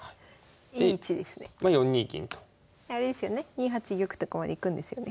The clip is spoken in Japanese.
２八玉とかまで行くんですよね？